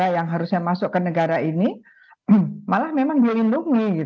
yang harusnya masuk ke negara ini malah memang dilindungi